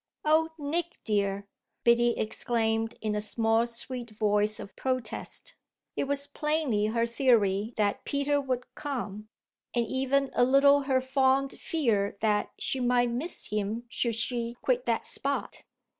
"Oh Nick dear!" Biddy exclaimed in a small sweet voice of protest. It was plainly her theory that Peter would come, and even a little her fond fear that she might miss him should she quit that spot.